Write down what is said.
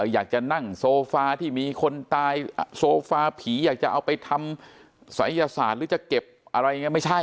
อยากจะนั่งโซฟาที่มีคนตายโซฟาผีอยากจะเอาไปทำศัยศาสตร์หรือจะเก็บอะไรอย่างนี้ไม่ใช่